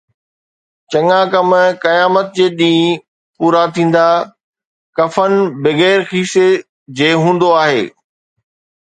چڱا ڪم قيامت جي ڏينهن پورا ٿيندا، ڪفن بغير کيسي جي هوندو آهي